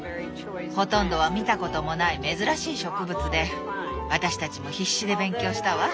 ほとんどは見たこともない珍しい植物で私たちも必死で勉強したわ。